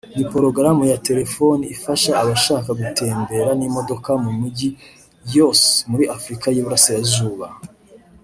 Ni porogaramu ya telefoni ifasha abashaka gutembera n’imodoka mu mijyi yose yo muri Afurika y’Iburasirazuba